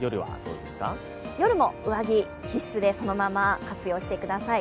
夜も上着必須です、そのまま活用してください。